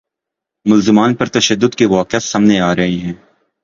ملزمان پر تشدد کے واقعات سامنے آ رہے ہیں